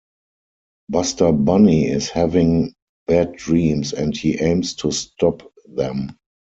Buster Bunny is having bad dreams and he aims to stop them.